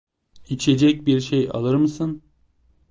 İçecek bir şey alır mısın?